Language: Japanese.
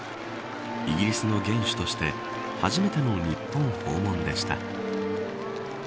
イギリスの元首として初めての日本訪問でした。